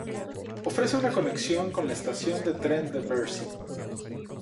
Ofrece una conexión con la estación de tren de Bercy.